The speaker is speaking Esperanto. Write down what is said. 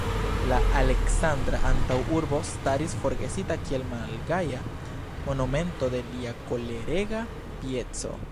La Aleksandra antaŭurbo staris forgesita kiel malgaja monumento de lia kolerega pieco.